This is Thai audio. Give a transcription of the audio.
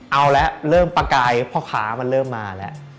เอาแล้วเริ่มประกายพ่อค้ามันเริ่มมาแล้ว